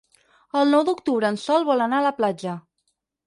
El nou d'octubre en Sol vol anar a la platja.